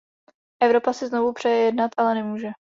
Evropa si znovu přeje jednat, ale nemůže.